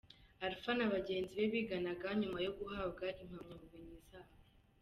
Alpha na bagenzi be biganaga nyuma yo guhabwa imyabumenyi zabo.